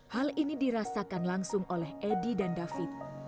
hal ini dirasakan langsung oleh edi dan david